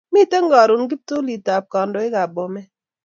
Miten karun kiptulit ab kandoikab Bomet